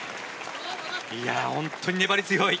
本当に粘り強い。